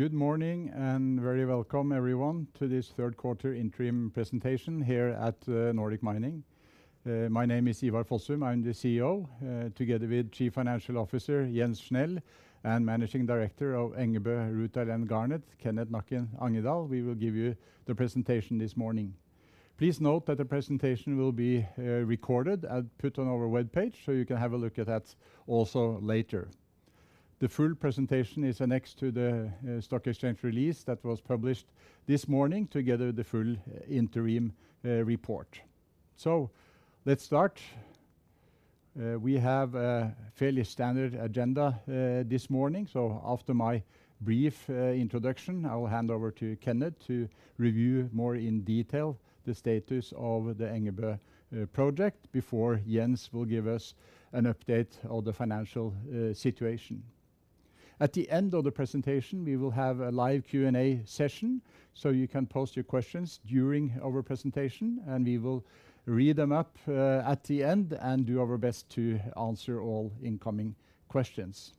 Good morning and very welcome everyone to this Q3 interim presentation here at Nordic Mining. My name is Ivar Fossum. I'm the CEO, together with Chief Financial Officer, Jens Schnelle, and Managing Director of Engebø Rutile and Garnet, Kenneth Nakken Angedal. We will give you the presentation this morning. Please note that the presentation will be recorded and put on our webpage, so you can have a look at that also later. The full presentation is annexed to the stock exchange release that was published this morning, together with the full interim report. So let's start. We have a fairly standard agenda this morning. So after my brief introduction, I will hand over to Kenneth to review more in detail the status of the Engebø project before Jens will give us an update on the financial situation. At the end of the presentation, we will have a live Q&A session, so you can post your questions during our presentation, and we will read them up at the end and do our best to answer all incoming questions.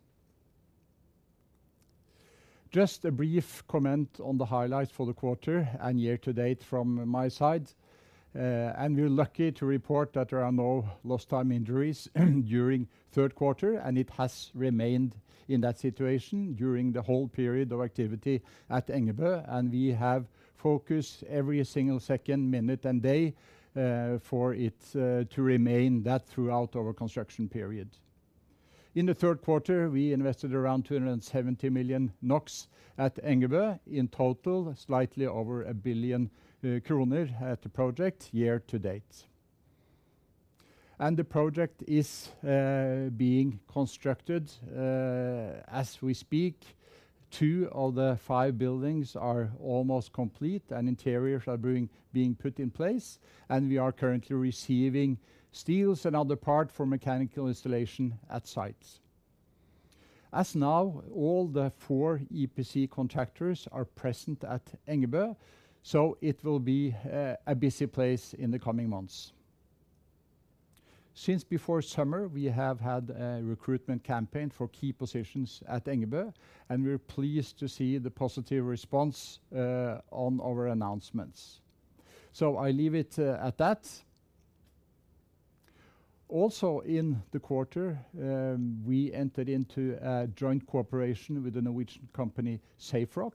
Just a brief comment on the highlights for the quarter and year to date from my side. We're lucky to report that there are no lost time injuries during third quarter, and it has remained in that situation during the whole period of activity at Engebø, and we have focused every single second, minute, and day for it to remain that throughout our construction period. In the Q3, we invested around 270 million NOK at Engebø. In total, slightly over 1 billion kroner at the project year to date. The project is being constructed as we speak. Two of the five buildings are almost complete and interiors are being put in place, and we are currently receiving steels and other parts for mechanical installation at sites. As of now, all the four EPC contractors are present at Engebø, so it will be a busy place in the coming months. Since before summer, we have had a recruitment campaign for key positions at Engebø, and we're pleased to see the positive response on our announcements. So I leave it at that. Also, in the quarter, we entered into a joint cooperation with the Norwegian company SafeRock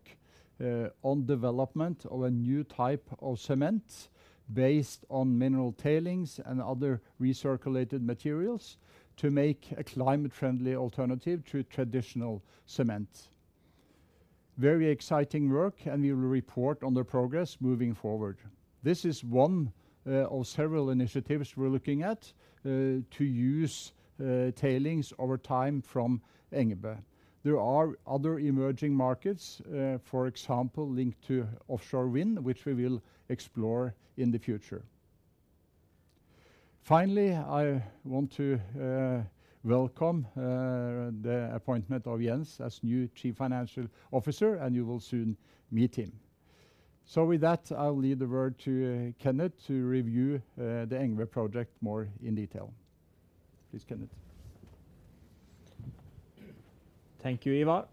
on development of a new type of cement based on mineral tailings and other recirculated materials to make a climate friendly alternative to traditional cement. Very exciting work, and we will report on the progress moving forward. This is one of several initiatives we're looking at to use tailings over time from Engebø. There are other emerging markets, for example, linked to offshore wind, which we will explore in the future. Finally, I want to welcome the appointment of Jens as new Chief Financial Officer, and you will soon meet him. So with that, I'll leave the word to Kenneth to review the Engebø project more in detail. Please, Kenneth. Thank you, Ivar.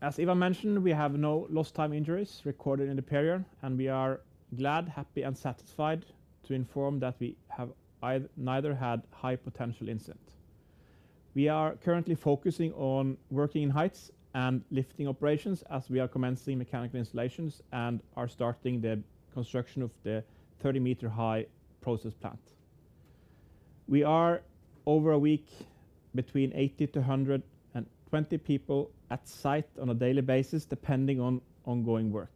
As Ivar mentioned, we have no lost time injuries recorded in the period, and we are glad, happy, and satisfied to inform that we have neither had high potential incident. We are currently focusing on working in heights and lifting operations as we are commencing mechanical installations and are starting the construction of the 30-meter high process plant. We are over a week, between 80 and 120 people at site on a daily basis, depending on ongoing work.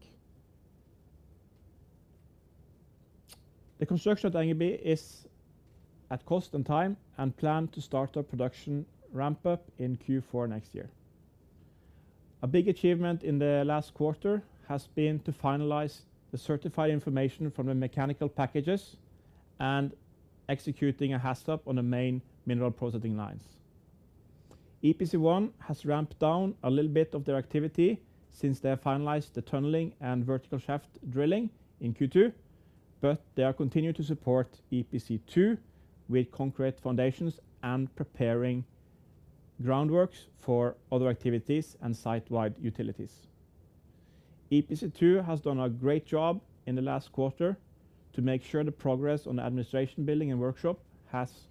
The construction at Engebø is at cost and time and planned to start our production ramp up in Q4 next year. A big achievement in the last quarter has been to finalize the certified information from the mechanical packages and execute a HAZOP on the main mineral processing lines. EPC1 has ramped down a little bit of their activity since they have finalized the tunneling and vertical shaft drilling in Q2, but they are continuing to support EPC2 with concrete foundations and preparing groundworks for other activities and site-wide utilities. EPC2 has done a great job in the last quarter to make sure the progress on the administration building and workshop has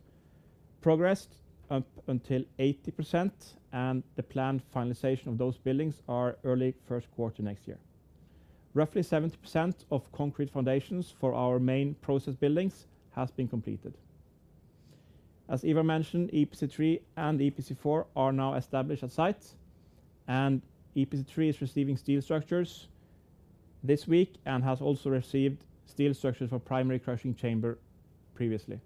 progressed up until 80%, and the planned finalization of those buildings are early Q1 next year. Roughly 70% of concrete foundations for our main process buildings has been completed. As Ivar mentioned, EPC3 and EPC4 are now established at site, and EPC3 is receiving steel structures this week and has also received steel structures for primary crushing chamber previously.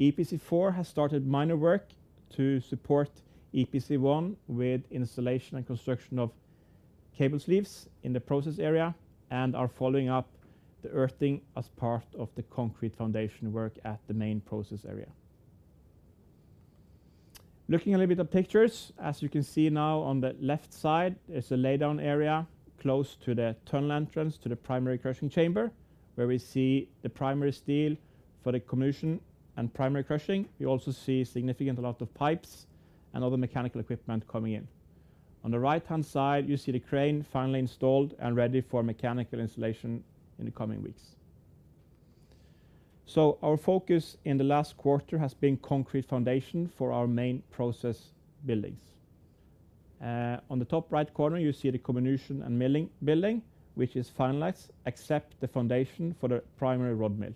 EPC4 has started minor work to support EPC1 with installation and construction of cable sleeves in the process area and are following up the earthing as part of the concrete foundation work at the main process area. Looking at a little bit of pictures. As you can see now, on the left side, there's a laydown area close to the tunnel entrance to the primary crushing chamber, where we see the primary steel for the comminution and primary crushing. You also see a significant lot of pipes and other mechanical equipment coming in. On the right-hand side, you see the crane finally installed and ready for mechanical installation in the coming weeks. So our focus in the last quarter has been concrete foundation for our main process buildings. On the top right corner, you see the comminution and milling building, which is finalized, except the foundation for the primary rod mill.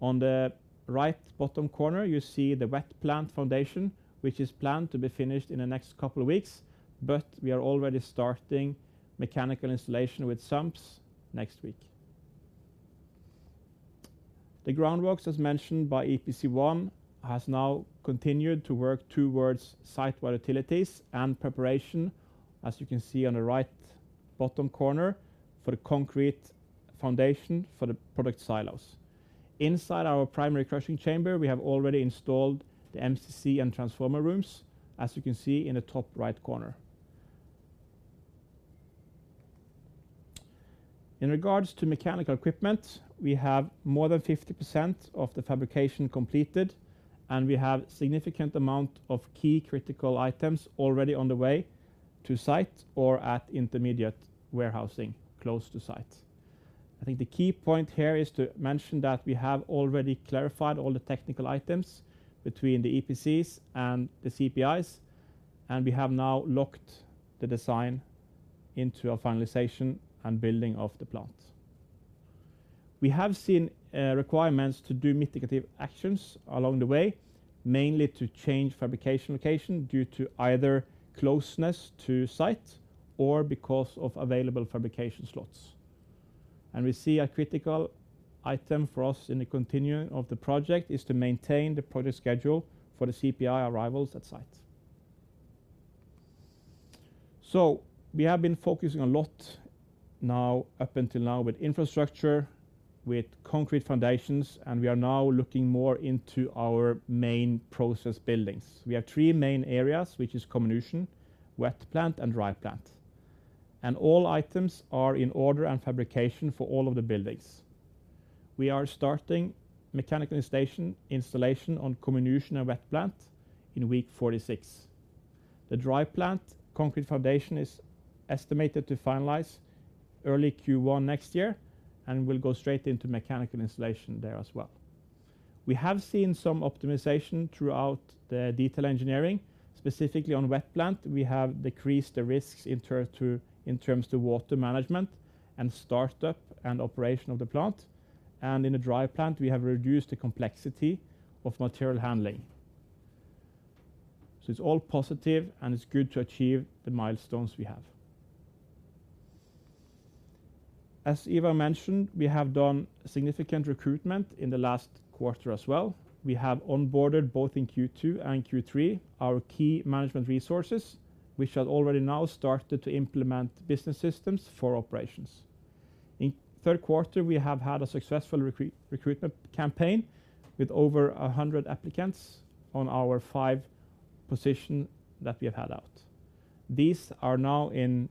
On the right bottom corner, you see the wet plant foundation, which is planned to be finished in the next couple of weeks, but we are already starting mechanical installation with sumps next week. The groundworks, as mentioned by EPC1, has now continued to work towards site-wide utilities and preparation, as you can see on the right bottom corner, for the concrete foundation for the product silos. Inside our primary crushing chamber, we have already installed the MCC and transformer rooms, as you can see in the top right corner. In regards to mechanical equipment, we have more than 50% of the fabrication completed, and we have significant amount of key critical items already on the way to site or at intermediate warehousing close to site. I think the key point here is to mention that we have already clarified all the technical items between the EPCs and the CVIs, and we have now locked the design into our finalization and building of the plant. We have seen requirements to do mitigative actions along the way, mainly to change fabrication location due to either closeness to site or because of available fabrication slots. We see a critical item for us in the continuing of the project is to maintain the project schedule for the CVI arrivals at site. We have been focusing a lot now, up until now, with infrastructure, with concrete foundations, and we are now looking more into our main process buildings. We have three main areas, which is comminution, wet plant, and dry plant. All items are in order and fabrication for all of the buildings. We are starting mechanical installation, installation on comminution and wet plant in week 46. The dry plant concrete foundation is estimated to finalize early Q1 next year and will go straight into mechanical installation there as well. We have seen some optimization throughout the detail engineering. Specifically on wet plant, we have decreased the risks in terms of water management and startup and operation of the plant, and in the dry plant, we have reduced the complexity of material handling. So it's all positive, and it's good to achieve the milestones we have. As Ivar mentioned, we have done significant recruitment in the last quarter as well. We have onboarded, both in Q2 and Q3, our key management resources, which have already now started to implement business systems for operations. In Q3, we have had a successful recruitment campaign with over 100 applicants on our five positions that we have had out. These are now in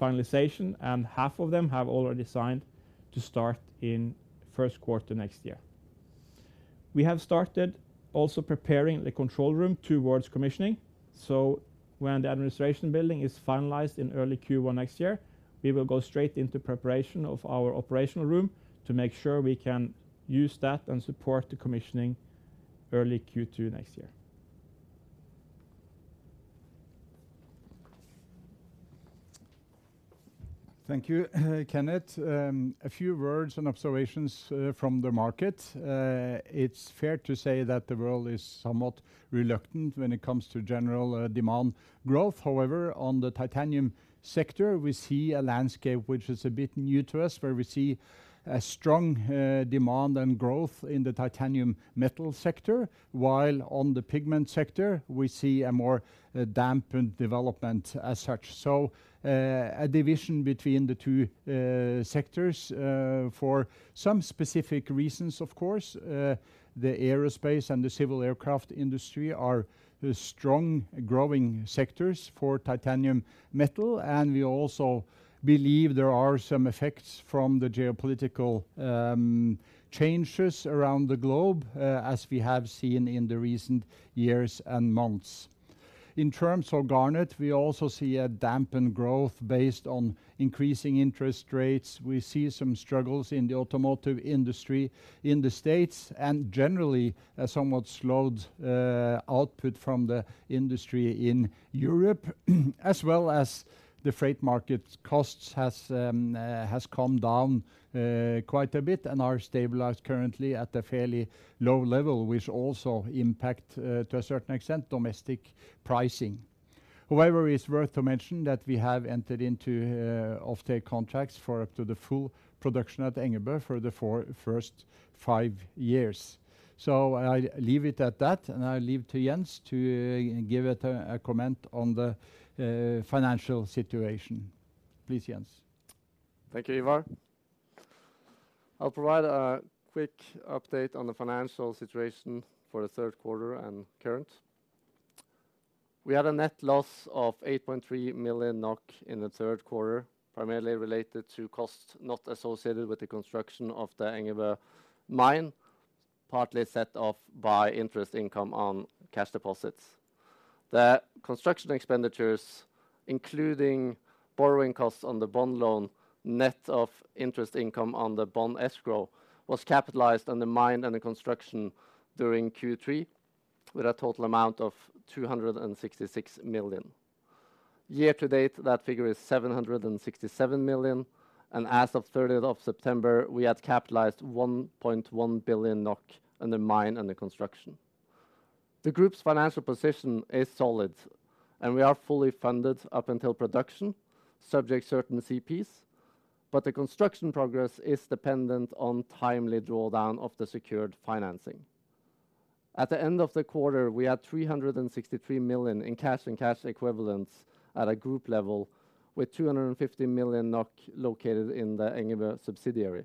finalization, and half of them have already signed to start in Q1 next year. We have also started preparing the control room towards commissioning, so when the administration building is finalized in early Q1 next year, we will go straight into preparation of our operational room to make sure we can use that and support the commissioning early Q2 next year. Thank you, Kenneth. A few words and observations from the market. It's fair to say that the world is somewhat reluctant when it comes to general demand growth. However, on the titanium sector, we see a landscape which is a bit new to us, where we see a strong demand and growth in the titanium metal sector, while on the pigment sector, we see a more dampened development as such. A division between the two sectors for some specific reasons, of course. The aerospace and the civil aircraft industry are strong, growing sectors for titanium metal, and we also believe there are some effects from the geopolitical changes around the globe as we have seen in the recent years and months. In terms of garnet, we also see a dampened growth based on increasing interest rates. We see some struggles in the automotive industry in the States and generally, a somewhat slowed output from the industry in Europe, as well as the freight market costs have come down quite a bit and are stabilized currently at a fairly low level, which also impact to a certain extent domestic pricing. However, it's worth to mention that we have entered into offtake contracts for the full production at Engebø for the four, first five years. So I leave it at that, and I leave to Jens to give it a comment on the financial situation. Please, Jens. Thank you, Ivar. I'll provide a quick update on the financial situation for the Q3 and current. We had a net loss of 8.3 million NOK in the Q3, primarily related to costs not associated with the construction of the Engebø Mine, partly set off by interest income on cash deposits. The construction expenditures, including borrowing costs on the bond loan, net of interest income on the bond escrow, was capitalized on the mine and the construction during Q3, with a total amount of 266 million. Year to date, that figure is 767 million, and as of thirtieth of September, we had capitalized 1.1 billion NOK in the mine and the construction. The group's financial position is solid, and we are fully funded up until production, subject to certain CPs, but the construction progress is dependent on timely drawdown of the secured financing. At the end of the quarter, we had 363 million in cash and cash equivalents at a group level, with 250 million NOK located in the Engebø subsidiary.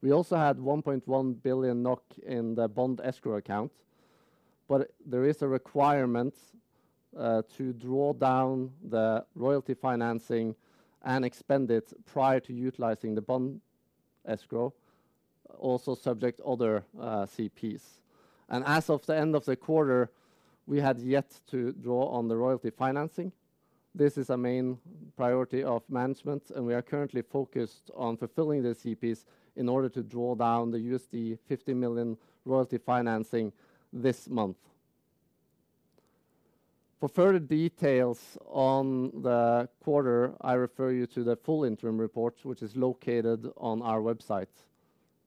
We also had 1.1 billion NOK in the bond escrow account, but there is a requirement to draw down the royalty financing and expend it prior to utilizing the bond escrow, also subject to other CPs. As of the end of the quarter, we had yet to draw on the royalty financing. This is a main priority of management, and we are currently focused on fulfilling the CPs in order to draw down the $50 million royalty financing this month. For further details on the quarter, I refer you to the full interim report, which is located on our website.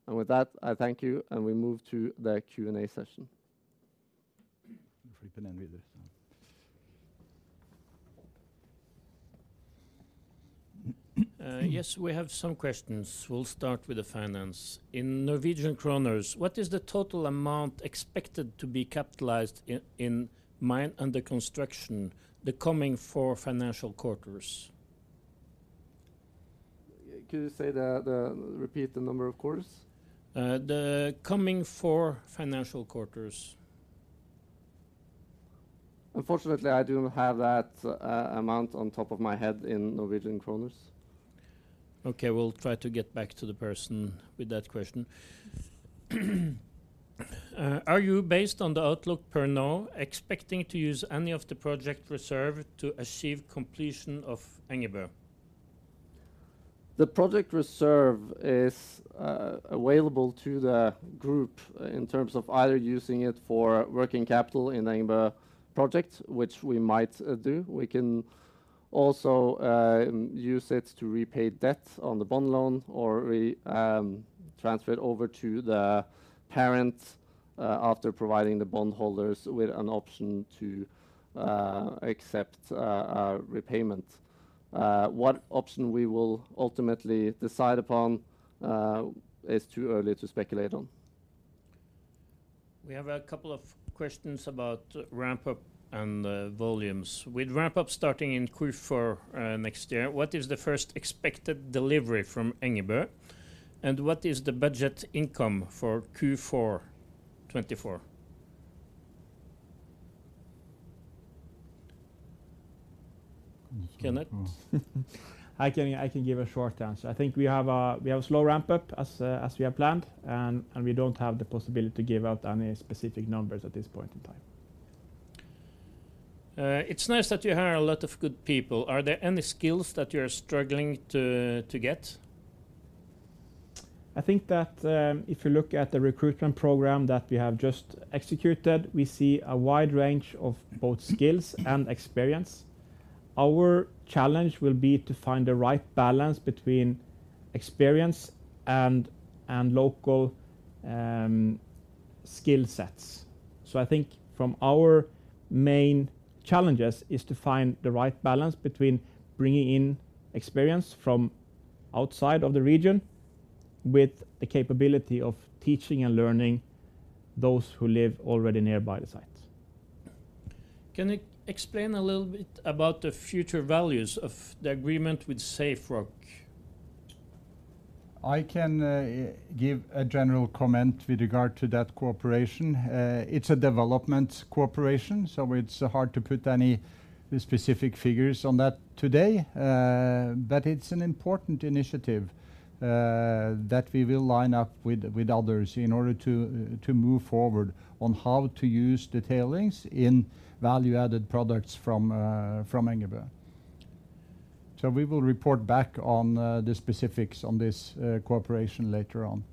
With that, I thank you, and we move to the Q&A session. If we can then read this one. Yes, we have some questions. We'll start with the finance. In Norwegian kroner, what is the total amount expected to be capitalized in mine under construction, the coming four financial quarters? Could you repeat the number of quarters? The coming four financial quarters. Unfortunately, I don't have that amount on top of my head in Norwegian kroners. Okay, we'll try to get back to the person with that question. Are you, based on the outlook per now, expecting to use any of the project reserve to achieve completion of Engebø? The project reserve is available to the group in terms of either using it for working capital in Engebø project, which we might do. We can also use it to repay debt on the bond loan, or we transfer it over to the parent after providing the bondholders with an option to accept a repayment. What option we will ultimately decide upon is too early to speculate on. We have a couple of questions about ramp-up and volumes. With ramp-up starting in Q4 next year, what is the first expected delivery from Engebø, and what is the budget income for Q4 2024? Kenneth? I can, I can give a short answer. I think we have a, we have a slow ramp-up, as, as we have planned, and, and we don't have the possibility to give out any specific numbers at this point in time. It's nice that you hire a lot of good people. Are there any skills that you're struggling to get? I think that, if you look at the recruitment program that we have just executed, we see a wide range of both skills and experience. Our challenge will be to find the right balance between experience and, and local, skill sets. I think from our main challenges is to find the right balance between bringing in experience from outside of the region, with the capability of teaching and learning those who live already nearby the site. Can you explain a little bit about the future values of the agreement with SafeRock? I can give a general comment with regard to that cooperation. It's a development cooperation, so it's hard to put any specific figures on that today. But it's an important initiative that we will line up with others in order to move forward on how to use the tailings in value-added products from Engebø. So we will report back on the specifics on this cooperation later on.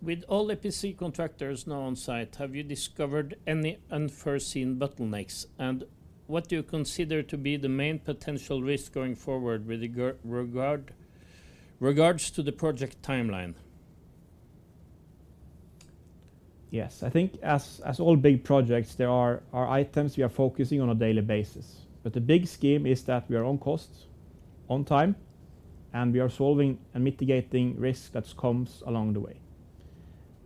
With all EPC contractors now on site, have you discovered any unforeseen bottlenecks? What do you consider to be the main potential risk going forward with regard to the project timeline? Yes. I think as, as all big projects, there are, are items we are focusing on a daily basis. But the big scheme is that we are on cost, on time, and we are solving and mitigating risk that comes along the way.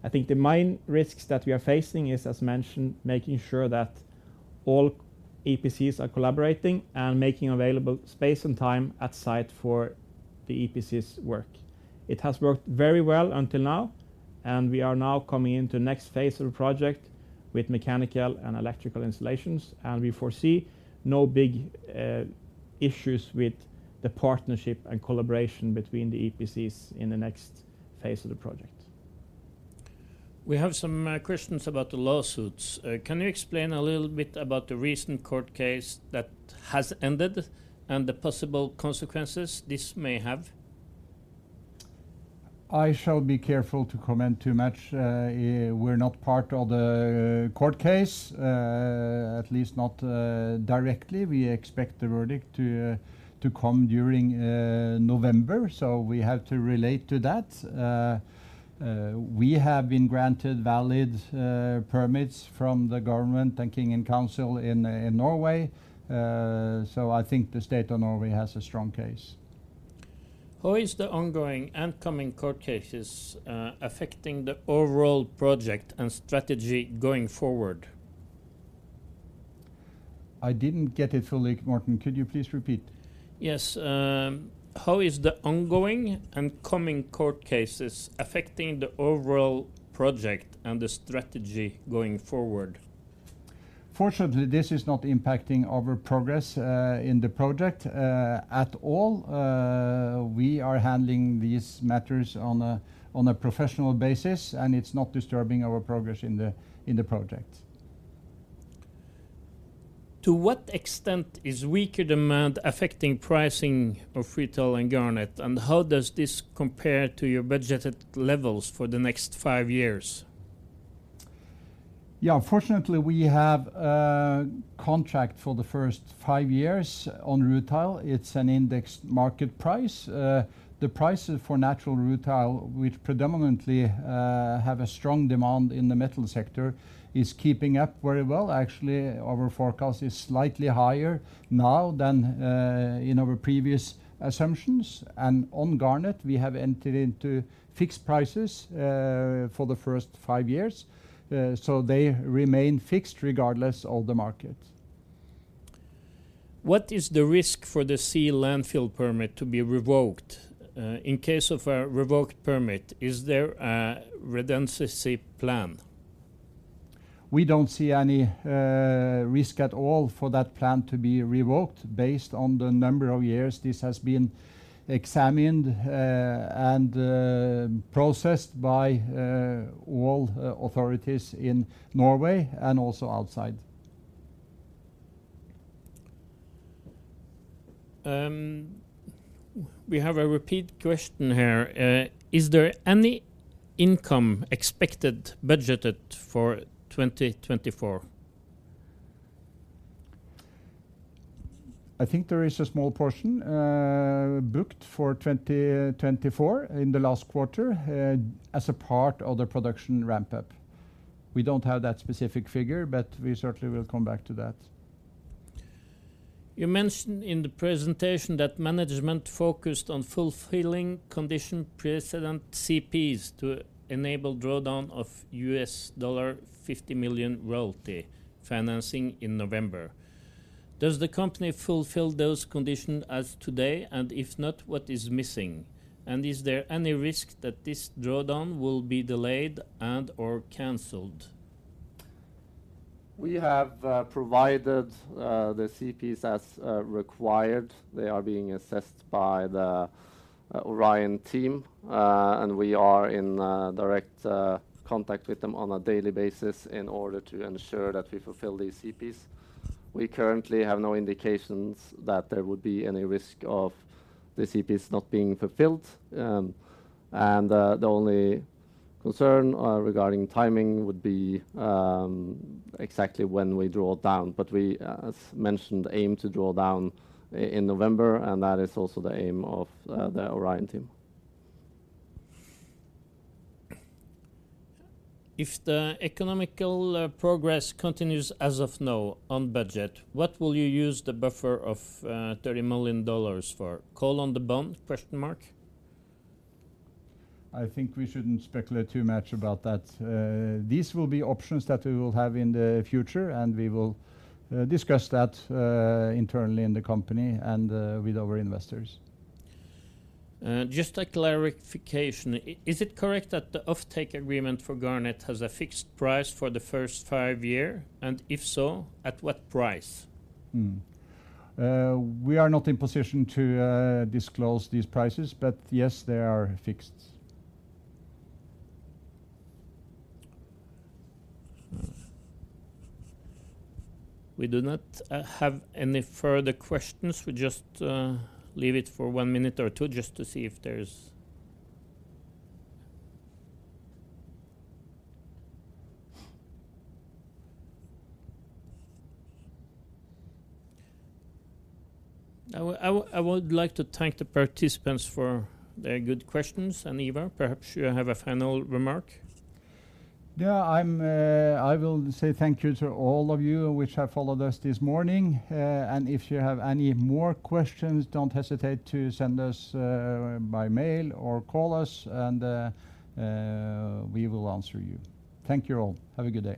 I think the main risks that we are facing is, as mentioned, making sure that all EPCs are collaborating and making available space and time at site for the EPC's work. It has worked very well until now, and we are now coming into next phase of the project with mechanical and electrical installations, and we foresee no big.... issues with the partnership and collaboration between the EPCs in the next phase of the project. We have some questions about the lawsuits. Can you explain a little bit about the recent court case that has ended, and the possible consequences this may have? I shall be careful to comment too much. We're not part of the court case, at least not directly. We expect the verdict to come during November, so we have to relate to that. We have been granted valid permits from the government and King in Council in Norway, so I think the State of Norway has a strong case. How is the ongoing and coming court cases affecting the overall project and strategy going forward? I didn't get it fully, Martin, could you please repeat? Yes, how is the ongoing and coming court cases affecting the overall project and the strategy going forward? Fortunately, this is not impacting our progress in the project at all. We are handling these matters on a professional basis, and it's not disturbing our progress in the project. To what extent is weaker demand affecting pricing of rutile and garnet, and how does this compare to your budgeted levels for the next five years? Yeah, fortunately, we have a contract for the first five years on rutile. It's an indexed market price. The prices for natural rutile, which predominantly have a strong demand in the metal sector, is keeping up very well. Actually, our forecast is slightly higher now than in our previous assumptions. On garnet, we have entered into fixed prices for the first five years. So they remain fixed regardless of the market. What is the risk for the sea landfill permit to be revoked? In case of a revoked permit, is there a redundancy plan? We don't see any risk at all for that plan to be revoked based on the number of years this has been examined, and processed by all authorities in Norway and also outside. We have a repeat question here. Is there any income expected budgeted for 2024? I think there is a small portion, booked for 2024 in the last quarter, as a part of the production ramp-up. We don't have that specific figure, but we certainly will come back to that. You mentioned in the presentation that management focused on fulfilling condition precedent CPs to enable drawdown of $50 million royalty financing in November. Does the company fulfill those conditions as of today, and if not, what is missing? Is there any risk that this drawdown will be delayed and/or canceled? We have provided the CPs as required. They are being assessed by the Orion team, and we are in direct contact with them on a daily basis in order to ensure that we fulfill these CPs. We currently have no indications that there would be any risk of the CPs not being fulfilled. And the only concern regarding timing would be exactly when we draw down. But we, as mentioned, aim to draw down in November, and that is also the aim of the Orion team. If the economic progress continues as of now on budget, what will you use the buffer of $30 million for? Call on the bond, question mark? I think we shouldn't speculate too much about that. These will be options that we will have in the future, and we will discuss that internally in the company and with our investors. Just a clarification. Is it correct that the offtake agreement for garnet has a fixed price for the first five year, and if so, at what price? We are not in position to disclose these prices, but yes, they are fixed. We do not have any further questions. We just leave it for one minute or two, just to see if there's... I would like to thank the participants for their good questions. And Ivar, perhaps you have a final remark? Yeah, I will say thank you to all of you which have followed us this morning. And if you have any more questions, don't hesitate to send us by mail or call us, and we will answer you. Thank you all. Have a good day.